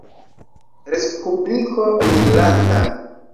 Respubliko Irlanda.